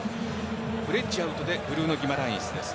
フレッジ、アウトでブルーノ・ギマランイスです。